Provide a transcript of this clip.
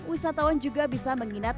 wisatawan juga bisa menginapkan